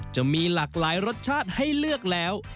จะมีหลากหลายรสชาติให้เลือกแล้ว